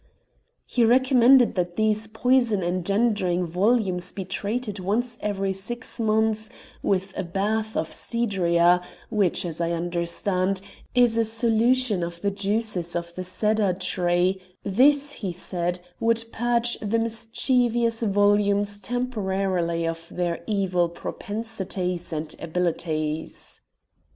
He recommended that these poison engendering volumes be treated once every six months with a bath of cedria, which, as I understand, is a solution of the juices of the cedar tree; this, he said, would purge the mischievous volumes temporarily of their evil propensities and abilities.